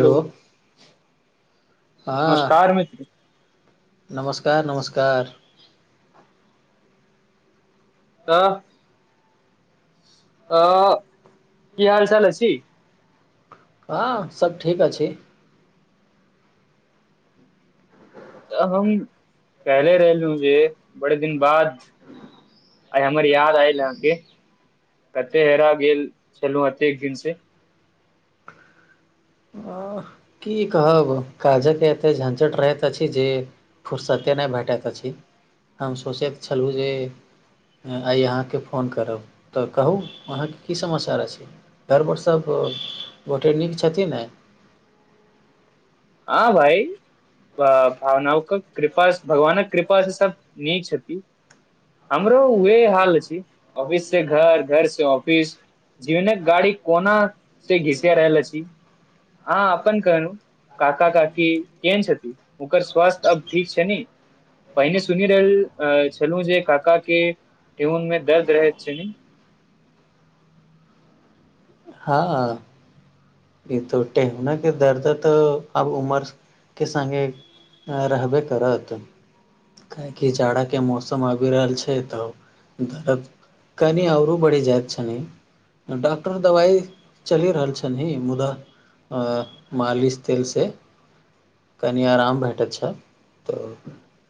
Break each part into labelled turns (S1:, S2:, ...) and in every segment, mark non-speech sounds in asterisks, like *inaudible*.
S1: Hello हँ
S2: नमस्कार मित्र
S1: नमस्कार नमस्कार
S2: तऽ तऽ की हाल चाल अछि
S1: हँ सब ठीक अछि
S2: तऽ हम कहले रहू जे बड़े दिन बाद अइ हमर याद आयल आहाँ के कते हेरा गेल छलहुँ एतेक दिन से
S1: *unintelligible* की कहब काजक एते झंझट रहैत अछि जे फुुरसते नहि भेटयके अछि हम सोचैके छलहुँ जे आइ अहाँके फोन करब तऽ कहू अहाँके की समाचार आछि घरबड़ सब गोटे नीक छथिन नऽ
S2: हँ भइ भावना क कृपा भगवानक कृपास सऽ सब नीक छथि हमरो उह हाल आछि ऑफिस से घर घर से ऑफिस जीवने गाड़ी कोना से घीसिया रहलल आछि आहाँ अपन कहू काका काकी केहन छथि ओकर स्वास्थ्य अब ठीक छैन पहिने सुनि रहल छलहु जे काका के ठेहुन मे दर्द रहैत छनि
S1: हँ ई तो टेहुना के दर्द तऽ अब उमर के संगे रहबे करत काहेकि जाड़ाके मौसम आबि रहल छै तऽ दर्द कनि आऔरो बढ़ि जायइत छनि डॉक्टर दबाइ चलि रहल छनिी मुदा मालिश तेल से कनि आराम भेटैत छै तऽ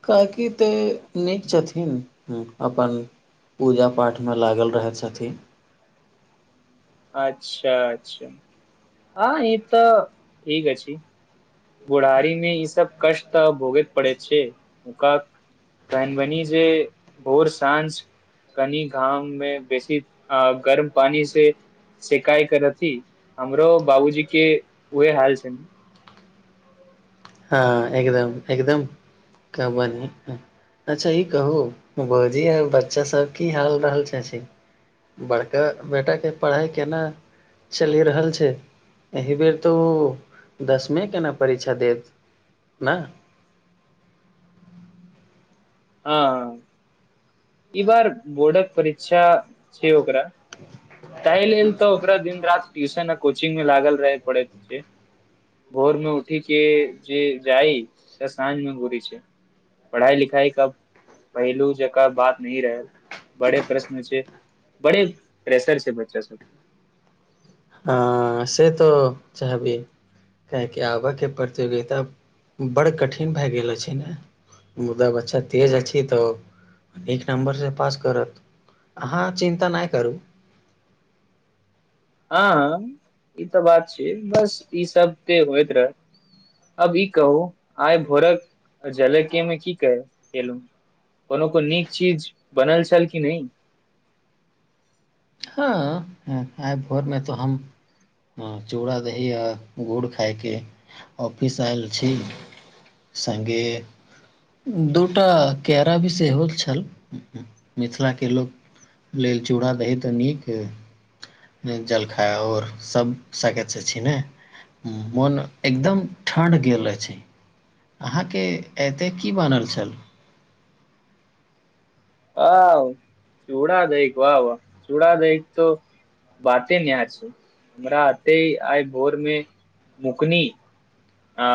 S1: काकि तऽ नीक छथिन अपन पूजा पाठमे लागल रहै छथिन
S2: अच्छा अच्छा हँ ई तऽ ठीक अछी बुढ़ारी मे ई सब कष्ट तऽ भोगे पड़े छै *unintelligible* काईन बनी जे भोर साँझ कनी घाम मे बेसी अऽ गर्म पानी से शिकाय करथि हमरो बाबूजी के उहे हाल छैन
S1: हँ एकदम एकदम कहबान अच्छा ई कहू भौजी आर बच्चा सब की हाल रहल अछि बड़का बेटाके पढ़ाइ केना चलि रहल छै एहि बेर तऽ ओ दसमे के नऽ परीक्षा देत नहि
S2: हँ ई बार बोर्डक परीक्षा छै ओकरा ताहि लेल तऽ ओकरा दिन रति ट्यूशन आ कोचिंग मे लागल रहे पड़ै छै भोर मे उठी के जे जाइ तऽ सााँझमे घोरी छै पढ़ाई लिखाई कऽ पहिलू जक बात रहल बड़े प्रश्न छै बड़े प्रेशर छै बच्चा सब
S1: ह से तऽ चाहबी कियेकि आबऽके प्रतियोगिता बड़ कठिन भए गेल छै ने मुदा बच्छा तेज अछि तऽ एक नंबर से पास करत अहाँ चिन्ता नहि करू
S2: हँ हँ ई तऽ बात छै बस ई सब ते होइत रहे अब ई कहू आइ भोरक झलकी में की कहे खेलू कोनो को नीक चीज बनल छल की नहि
S1: हँ आय भोरमे त हम हँ चूड़ा दही आ गुड़ खाायके ऑफिस आयल छी संगे दूटा केैरा भी सेहो छल मिथिलाके लोक लेल चूड़ा दही तऽ नीक है जलखा आओर सभ सकसँ छै ने मोन एकदम ठण्ड गेल छै अहाँके एतय की बनल छल
S2: आाह चूड़ा दैक वाह वाह चूड़ा दही त बाते न्य छै हमरा अते आइ भोर मे मुकनी अ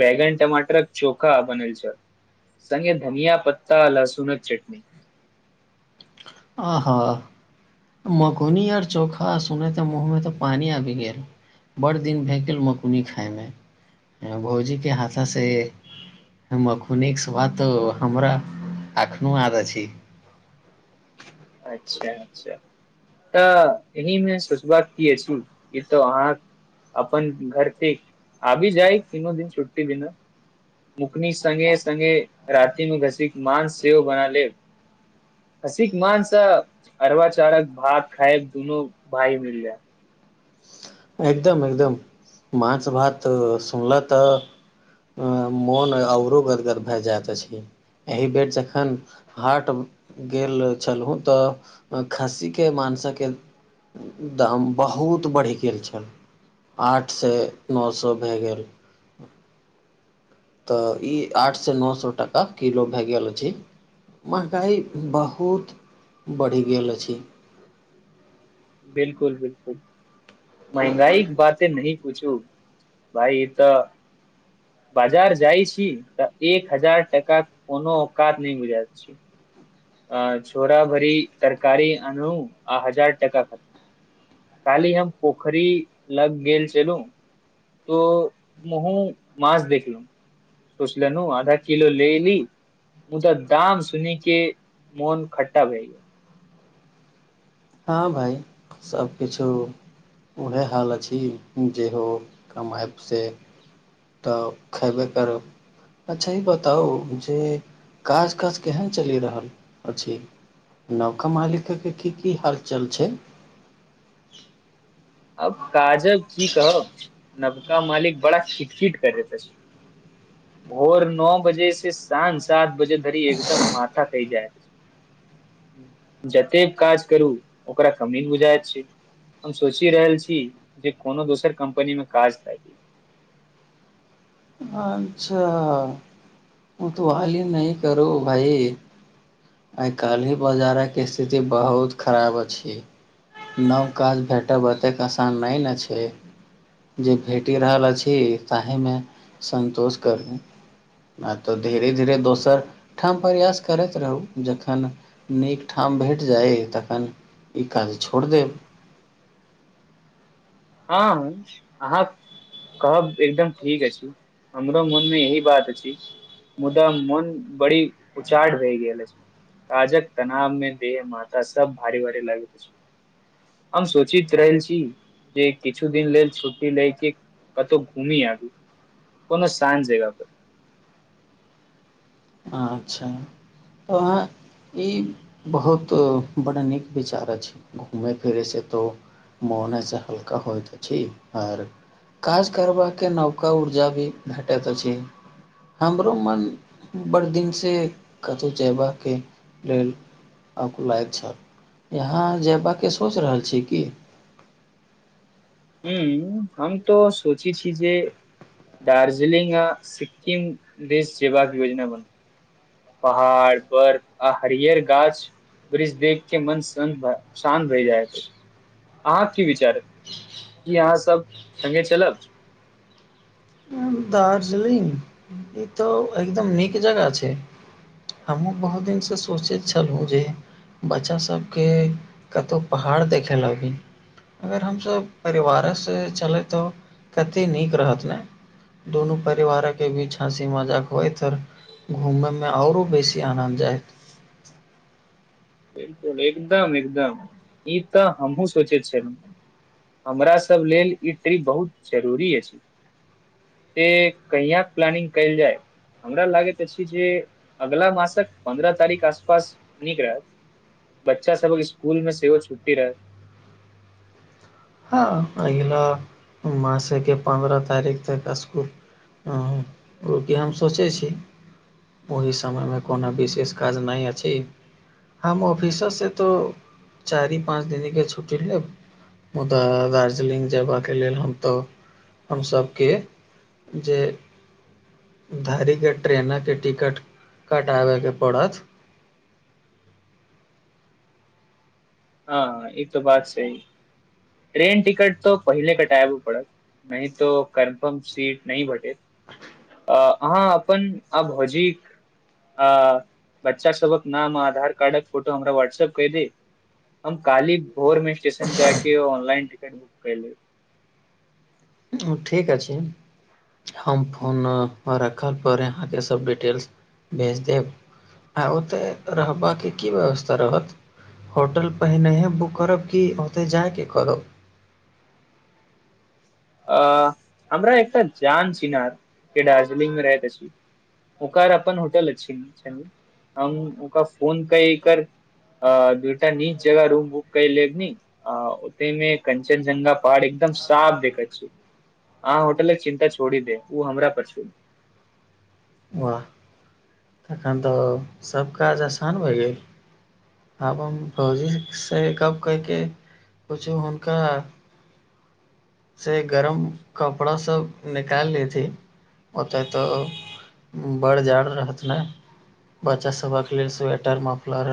S2: वेगन टमाटर चोखा बनेल छल संगे धनिया पत्ता लहसुन चटनी
S1: आ हा मगनी आऔर चोखा सुने त मुँहमें तऽ पानी आबि गेल बड़ दिन भए गेल मकगुनी खायमे भौजीके हाथासँ मखुनीके स्वाद तऽ हमरा एखनो याद अछि
S2: अच्छा अच्छा तऽ एहिमे सोचबाक की अछि ई तऽ अहाँ अपन घर आबि जाय तीनो दिन छुट्टी बिना मुखनी सगे संगे राति मे घस मांश सेहो बना ले हसिक मानस अरबा चारक भात खाए दुनू भाय मिल जाय
S1: एकदम एकदम माछ भात सुनला तऽ मोन औरो गदगद भए जायइत अछि एहि बेर जखन हार्ट गेल छलहुँ तऽ खस्सीे माानसके दम बहुत बढ़ि गेल छै आठसँ नओ सए भए गेल त इ आठ से नौ सो टाका किलो भय गेल अछी महगाइ बहुत बढ़ी गेल अछी
S2: बिलकुल बिलकुल महंगाईक बाते नही पुछु भइ तऽ बाजार जाइ छी तऽ एक हजार टाका कोनो औकात नहि बुझा छी अ छोरा भरी तरकारी अनु आ हजार क खर्च काली हम पोखरी लग गेल चलू तो महो माछ देखलौं सोचलेनु आधा किलो ले ली मुदा दाम सुनी के मोन खट्टा भय गेल।
S1: हाॅं भाय सबकिछु उहे हालत छै, जेहो कमाइब स तऽ खयबे करब अच्छा ई बताउ जे काज काज केहन चली रहल अछी नवका मालिक के कि कि हाल चाल छै
S2: आब काजक कि कहब नवका मालिक बड़ा किटकिट करै अछी भोर नअ बजे से साँझ सात बजे धरी एकदम माथा टइ जायहे *inaudible* जतेक काज करु ओकरा कमी हो जाय छे हम सोच कि रहल छी जे कोनो दोसर कम्पनी मे काज ताइ कि
S1: अच्छा उतवाली नही करो भाई आय काले बाजार कऽ इसथिति बहुत खराब अछी नव काज भेटब अतेक असान नय नै छै जे घैट गेलहा वाला छी ताहि मे सन्तोष करु आ तऽ धीरे धीरे दोसर ठाम परयास करैत रहु जखन नीक ठाम भेट जायय तखन ई काज छोर देब
S2: ह ह अहाँकेँ कहब एकदम ठीक अइछ हमरो मनमे यही बात अछी। मुदा मन बरी उचाड भैय गेल अछि। राजक तनाव मे देह माथा सभ भारी भारी लागे छे हम सोचित रहल छी जे किछु दिन लेल छुट्टी ले के कतौ घुमी आयब कोनो शात जगह पर
S1: अच्छा तऽ वहा ई बहुत पौराणिक विचार अछी। घुमै फिरैसे तौ मोन अहि सँ हल्का होयत छे पर काज करबाके नवका उरजा भी भेटैत अछी, हमरो मन। बड़ दिनसे कतौ जयबाके लेलऽ आकुलायल छल, यहा जयबाके सोच रहल छी की
S2: हू, हम तो सोची छी जे दार्जिलिंग आ सिक्किम देश जयबाकऽ योजना बन पहाड़ पर आ हरियर गाछ। ब्रिज देख के मन स्रन भे शान्त भय जाय छै अहाँकेँ कि विचार, कि अहाँ सभ संगे चलब
S1: दार्जिलिंग, इ त एकदम नीक जगह छैय हमहूॅं बहुत दिन स सोचैत छलौ जे बच्चा सभके कतौ पहाड़ देखै ल आबी अगर हमसभ परिवारे स चलैतों कते नीक रहत रहे दो परिवार के बीच हसी मजाक होय त घुमै मे आरौ बेसी आनन जायत
S2: बिल्कूल एकदम एकदम ई तऽ हमहूॅं सोचे छलौं हमरा सभ लेल ई ट्रिप बहुत जरूरी अछि से कऽ प्लानिंग कैल जाइ हमरा लागैत अछि जे अगिला मासकऽ, पन्द्रह तारीख आसपास नीक हेत बच्चा सभके स्कूल मे सेहो छुट्टी रहत
S1: ह अगिला मासके पन्द्रअ तारीख तक असकुप ह ओ कि हम सोचै छी ओहि समयमे कोनो विशेष काज नहि अछि हम ऑफिसरसँ तो चारि पाँच दिननके छुट्टी लेब मुदा दार्जिलिंग जयबाका के लेल हम तऽ हमसभके जे धरीके ट्रेनके टिकट कटाबैके पड़त
S2: हँ ई तो बात सही ट्रेन टिकट त पहिले कटायब पड़त नहि तो कन्फर्म सीट नहि भेटे अ अहाँ अपन आ भौजिक अ बच्चा सबक नाम आधार कार्डक फोटो हमरा व्हाट्सऐप कयदे हम काली भोरमे स्टेशन जाय के ऑनलाइन टिकट बुक कर ले
S1: ओ ठीक अछि हम फोन रखल पड़ै अहाँके सभ डिटेल्स भेज देब आ ओतऽ रहबाके की व्यवस्था रहत होटल पहिनहे बुक करब कि ओतय जाइके करब
S2: अ हमरा एकटा जान छीनार के दार्जिलिंग मे रहैत अछि ओकर अपन होटल छै हम ओकर फोन कय के अ दूटा नीच जगह रूम बुक कय लेबनी आ ओतेमे कंचन झ्ंगा पहाड़ एकदम साफ देखैत अब होटल के चिन्ता छोड़ी दे ओ हमरा पर छोड़ि दियौ
S1: वाह तखन तऽ सभ काज आसान भए गेल आब हम भौजी से गप्प कयके कुछु हुनका से गरम कपड़ा सब निकाल लीथी ओतै तऽ बढ़ जाड़ रहत ने बच्चा सभक लेल स्वेटर मफलर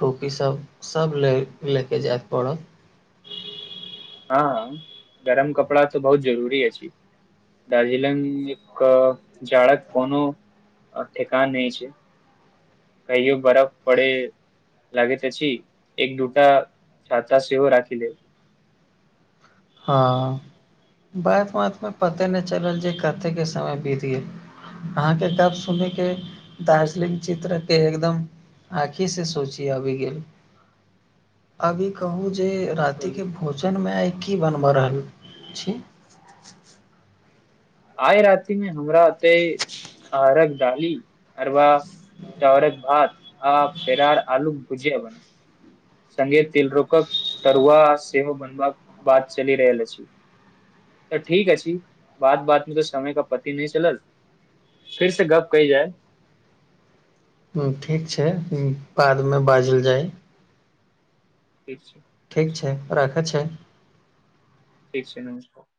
S1: टोपी सब सब ले लेके जाएके पड़त
S2: हँ गरम कपड़ा तऽ बहुत जरूरी अछि छै दार्जलिंग एक जाड़ककोनो ठेेकान नहि छै कहियो बरफ पड़े लागेत अछि एक दूटा छाता सेहो राखिलेब
S1: हँ बात बात मे पते नहि चलल छै कथे के समय बीतिे अहाँके गप्प सुनि के दार्जिलिंग चित्र के एकदम आँखि से सोची आबि गेल
S2: *unintelligible*
S1: अभी कहू जे रातिके
S2: बिलकुल
S1: भोजनमे आइ की बनबऽ रहल छी
S2: आइ राति मे हमरा ओते अरघ दडाली अरबा चौरक भात आ पेरर आलूक भुजिया बनल से तिलरोकक तरुआ सेहो बनबाक बात चल रहल अछि त ठीक अछि छी बात बात में तऽ समय का पते नहि चलल फिर से गप्प कयल जाय
S1: ठीक छै बादमे बाजल जाय
S2: *unintelligible*
S1: ठीक छै राख चाहै छी
S2: ठीक छै नमस्कार